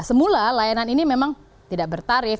semula layanan ini memang tidak bertarif